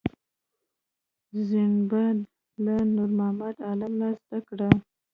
زینبه له نورمحمد عالم نه زده کړه.